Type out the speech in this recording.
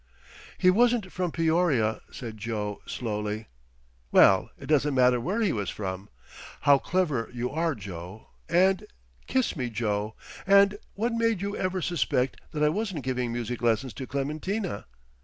"He wasn't from Peoria," said Joe, slowly. "Well, it doesn't matter where he was from. How clever you are, Joe—and—kiss me, Joe—and what made you ever suspect that I wasn't giving music lessons to Clementina?"